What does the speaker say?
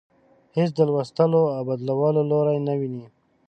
هیڅ د لوستلو او بدلولو لوری نه ويني.